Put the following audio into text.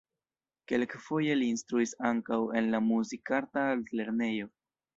Kelkfoje li instruis ankaŭ en la Muzikarta Altlernejo.